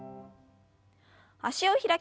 脚を開きます。